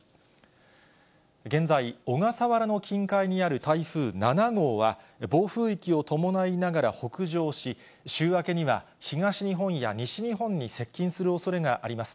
現在、小笠原の近海にある台風７号は、暴風域を伴いながら北上し、週明けには東日本や西日本に接近するおそれがあります。